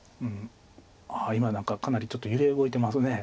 あっ今何かかなりちょっと揺れ動いてます。